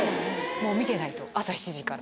見てないと朝７時から。